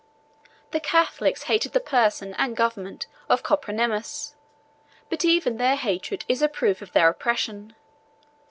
1116 The Catholics hated the person and government of Copronymus; but even their hatred is a proof of their oppression.